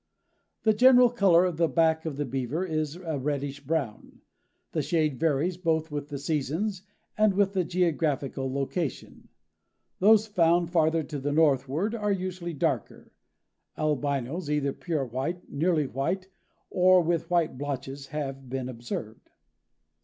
The general color of the back of the Beaver is a reddish brown. The shade varies both with the seasons and with the geographical location. Those found farther to the northward are usually darker. Albinos, either pure white, nearly white or with white blotches, have been observed.